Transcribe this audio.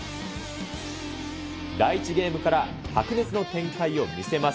第１ゲームから白熱の展開を見せます。